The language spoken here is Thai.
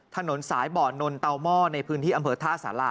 ถนนสายบ่อนนเตาหม้อในพื้นที่อำเภอท่าสารา